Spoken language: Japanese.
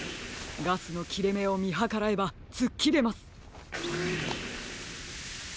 ガスのきれめをみはからえばつっきれます。